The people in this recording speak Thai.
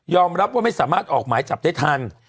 รับว่าไม่สามารถออกหมายจับได้ทัน